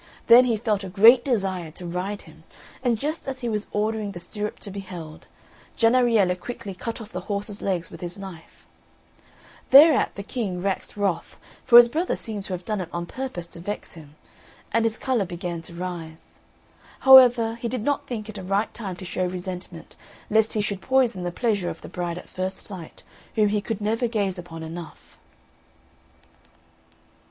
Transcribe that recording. Then he felt a great desire to ride him, and just as he was ordering the stirrup to beheld, Jennariello quickly cut off the horse's legs with his knife. Thereat the King waxed wrath, for his brother seemed to have done it on purpose to vex him, and his choler began to rise. However, he did not think it a right time to show resentment, lest he should poison the pleasure of the bride at first sight, whom he could never gaze upon enough.